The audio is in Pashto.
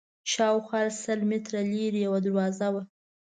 شاوخوا سل متره لرې یوه دروازه وه.